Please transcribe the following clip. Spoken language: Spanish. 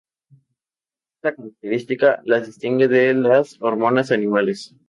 Esta característica las distingue de las hormonas animales.